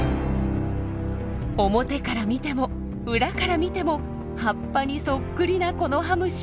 表から見ても裏から見ても葉っぱにそっくりなコノハムシ。